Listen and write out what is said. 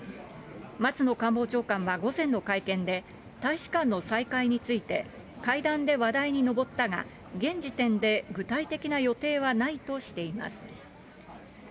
松野官房長官は午前の会見で、大使館の再開について、会談で話題に上ったが、現時点で具体的な予定はないとしています。